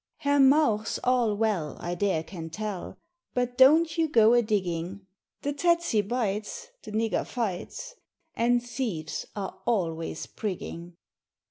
Herr Mauch's all well I dare can tell But don't you go a digging; The tetse bites, the nigger fights, And thieves are always prigging.